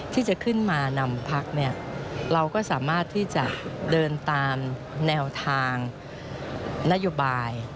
ที่จะขึ้นมานำพักเราก็สามารถที่จะเดินตามแนวทางนโยบาย